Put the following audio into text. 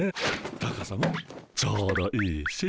高さもちょうどいいし。